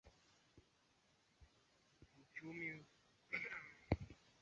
Uchumi shindani unaleta utulivu na uvumilivu wakati wa mtikisiko wa uchumi